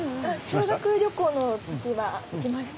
修学旅行の時は行きました。